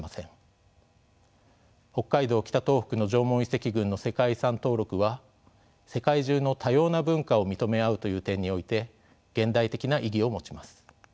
北海道・北東北の縄文遺跡群の世界遺産登録は世界中の多様な文化を認め合うという点において現代的な意義を持ちます。